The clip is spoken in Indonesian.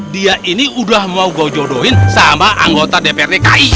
dia ini udah mau go jodohin sama anggota dprdki